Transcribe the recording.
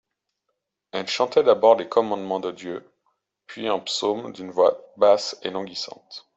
Elle chantait d'abord les Commandements de Dieu, puis un psaume d'une voix basse et languissante.